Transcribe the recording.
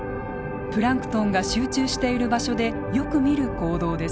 プランクトンが集中している場所でよく見る行動です。